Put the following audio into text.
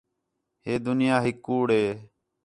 ہے دُنیا ہِک کُوڑ ہے